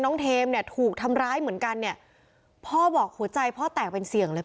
เทมเนี่ยถูกทำร้ายเหมือนกันเนี่ยพ่อบอกหัวใจพ่อแตกเป็นเสี่ยงเลย